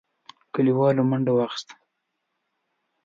کليوالو منډه واخيسته.